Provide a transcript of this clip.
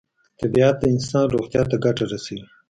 طبیعت د انسان روغتیا ته ګټه رسوي.